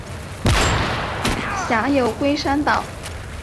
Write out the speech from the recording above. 辖有龟山岛。